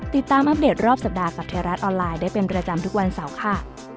อัปเดตรอบสัปดาห์กับไทยรัฐออนไลน์ได้เป็นประจำทุกวันเสาร์ค่ะ